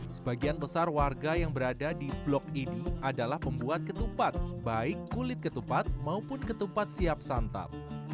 sebagian besar warga yang berada di blok ini adalah pembuat ketupat baik kulit ketupat maupun ketupat siap santap